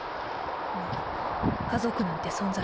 まぁ家族なんて存在